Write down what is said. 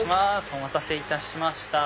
お待たせいたしました。